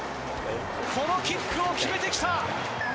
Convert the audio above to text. このキックを決めてきた。